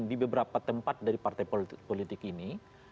di beberapa tempat dari partai politik ini